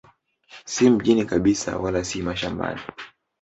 Si mjini kabisa wala si mashambani.